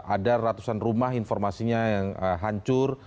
ada ratusan rumah informasinya yang hancur